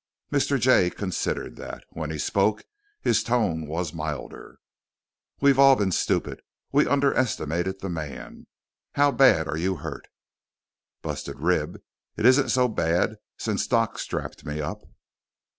Mr. Jay considered that. When he spoke, his tone was milder. "We've all been stupid. We underestimated the man. How bad are you hurt?" "Busted rib. It isn't so bad since Doc strapped me up."